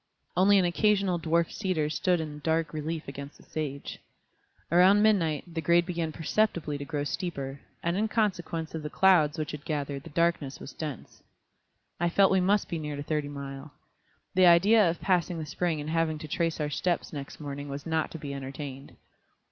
Only an occasional dwarf cedar stood in dark relief against the sage. About midnight the grade began perceptibly to grow steeper, and in consequence of the clouds which had gathered the darkness was dense. I felt we must be near to Thirty Mile. The idea of passing the spring and having to trace our steps next morning was not to be entertained.